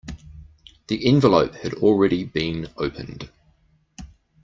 The envelope had already been opened.